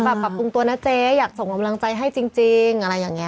ปรับปรุงตัวนะเจ๊อยากส่งกำลังใจให้จริงอะไรอย่างนี้